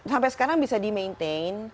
sampai sekarang bisa di maintain